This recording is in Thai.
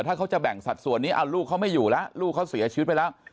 ถ้าเขาจะแบ่งสัดส่วนนี้เอาลูกเขาไม่อยู่แล้วลูกเขาเสียชีวิตไปแล้ว